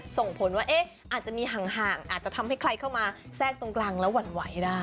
ส่งผลว่าอาจจะมีห่างอาจจะทำให้ใครเข้ามาแทรกตรงกลางแล้วหวั่นไหวได้